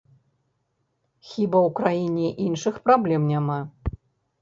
Хіба ў краіне іншых праблем няма?